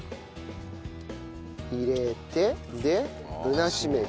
入れてでぶなしめじ。